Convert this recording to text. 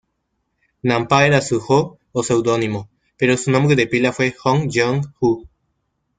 Nan-pa era su "ho" o seudónimo, pero su nombre de pila fue Hong Yeong-hu.